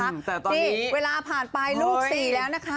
นี่เวลาผ่านไปลูก๔แล้วนะคะ